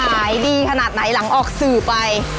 ขายดีขนาดไหนหลังออกสื่อไป